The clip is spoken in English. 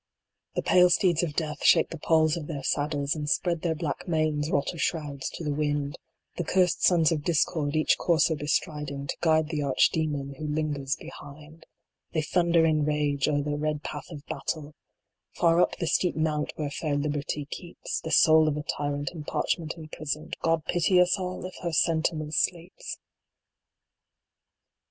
The pale steeds of Death shake the palls of their saddles, And spread their black manes, wrought of shrouds, to the wind, The curst sons of Discord each courser bestriding, To guide the Arch Demon, who lingers behind 94 PRO P ATRIA. They thunder in rage, o er the red path of Battle, Far up the steep mount where fair Liberty keeps The soul of a Tyrant in parchment imprisoned ; God pity us all, if her Sentinel sleeps